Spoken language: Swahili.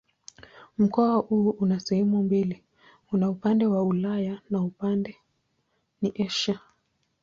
Mkoa huu una sehemu mbili: una upande wa Ulaya na upande ni Asia.